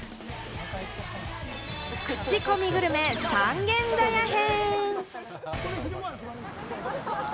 クチコミグルメ・三軒茶屋編。